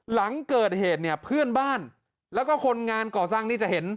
หลังเกิดเหตุเนี่ยเพื่อนบ้านแล้วก็คนงานก่อสร้างนี่จะเห็น